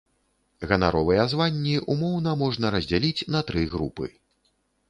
Ганаровыя званні ўмоўна можна раздзяліць на тры групы.